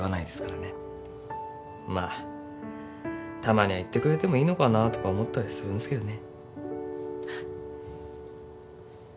まあたまには言ってくれてもいいのかなとか思ったりするんすけどね。